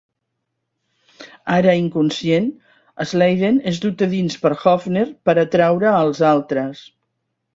Ara inconscient, Sladen és dut a dins per Hofner per atraure als altres.